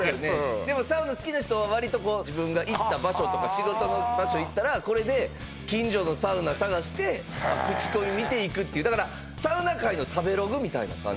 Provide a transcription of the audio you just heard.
でもサウナ好きな人はわりとこう自分が行った場所とか仕事の場所行ったらこれで近所のサウナ探して口コミ見て行くっていうだからみたいな感じ